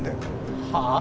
はあ？